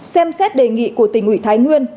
xem xét đề nghị của tỉnh ủy thái nguyên